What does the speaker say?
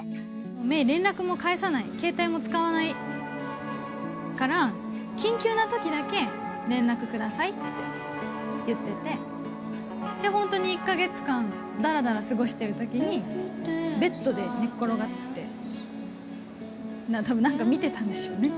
芽郁、連絡も返さない、携帯も使わないから、緊急なときだけ、連絡くださいって言ってて、本当に１か月間、だらだら過ごしてるときに、ベッドで寝っ転がって、たぶんなんか見てたんですよね。